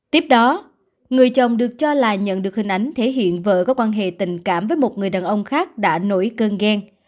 tiếp đó người chồng được cho là nhận được hình ảnh thể hiện vợ có quan hệ tình cảm với một người đàn ông khác đã nổi cơn ghen